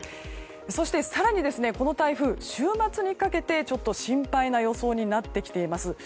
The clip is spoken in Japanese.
更に、この台風週末にかけて心配な予想になってきています。